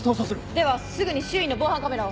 ではすぐに周囲の防犯カメラを。